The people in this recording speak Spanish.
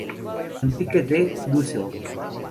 Enrique D. Dussel.